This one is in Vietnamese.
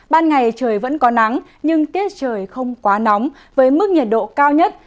ban ngày trời vẫn có nắng nhưng tiết trời không quá nóng với mức nhiệt độ cao nhất